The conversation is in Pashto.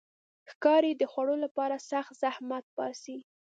ښکاري د خوړو لپاره سخت زحمت باسي.